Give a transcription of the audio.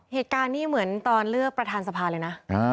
เหตุการณ์นี้เหมือนตอนเลือกประธานสภาเลยนะ